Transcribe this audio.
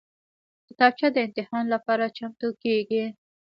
کتابچه د امتحان لپاره چمتو کېږي